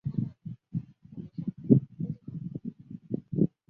孵溪蟾只曾发现在未开发的雨林出现。